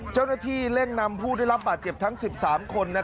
เจ้าหน้าที่เร่งนำผู้ได้รับบาดเจ็บทั้ง๑๓คน